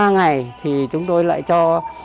ba ngày thì chúng tôi lại cho